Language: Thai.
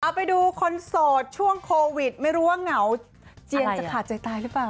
เอาไปดูคนโสดช่วงโควิดไม่รู้ว่าเหงาเจียนจะขาดใจตายหรือเปล่า